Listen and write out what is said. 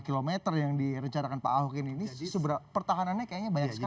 sembilan puluh lima km yang direcarakan pak ahok ini ini pertahanannya kayaknya banyak sekali